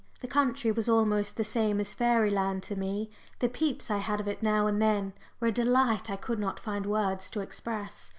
The country was almost the same as fairyland to me the peeps I had of it now and then were a delight I could not find words to express.